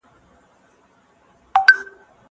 زه به سبا کتابتون ته ځم.